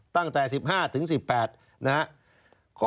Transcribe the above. ตั้งแต่๑๕ถึง๑๘นะครับ